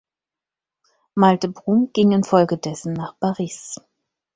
Malte-Brun ging infolgedessen nach Paris.